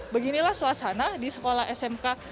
beginilah suasana di sekolah smk lima puluh tujuh sekarang